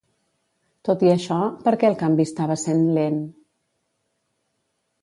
Tot i això, per què el canvi estava sent lent?